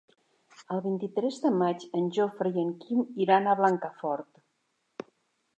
El vint-i-tres de maig en Jofre i en Quim iran a Blancafort.